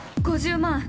◆５０万。